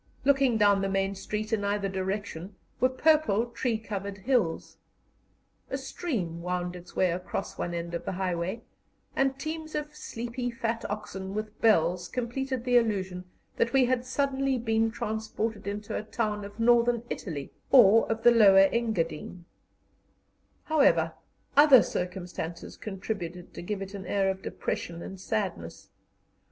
Looking down the main street, in either direction, were purple, tree covered hills. A stream wound its way across one end of the highway, and teams of sleepy fat oxen with bells completed the illusion that we had suddenly been transported into a town of Northern Italy or of the Lower Engadine. However, other circumstances contributed to give it an air of depression and sadness.